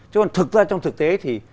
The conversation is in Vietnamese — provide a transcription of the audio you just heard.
chứ còn thực ra trong thực tế thì